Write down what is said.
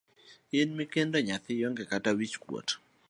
In mikendo nyathi, ionge kata wich kuot?